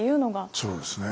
そうですね。